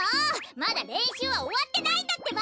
まだれんしゅうはおわってないんだってば！